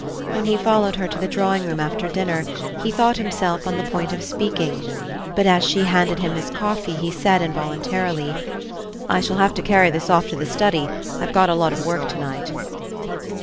When he followed her to the drawing room after dinner he thought himself on the point of speaking; but as she handed him his coffee he said, involuntarily: "I shall have to carry this off to the study, I've got a lot of work to night."